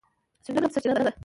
سیندونه د کب سرچینه ده.